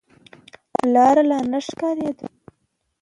لاره نه ښکارېدله.